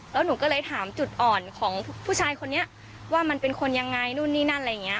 แล้วหนูก็เลยถามจุดอ่อนของผู้ชายคนนี้ว่ามันเป็นคนยังไงนู่นนี่นั่นอะไรอย่างนี้